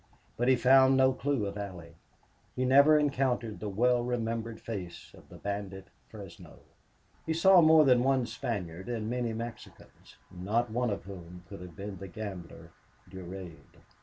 But he found no clue of Allie; he never encountered the well remembered face of the bandit Fresno. He saw more than one Spaniard and many Mexicans, not one of whom could have been the gambler Durade.